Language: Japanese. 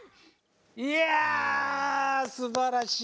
いやすばらしい。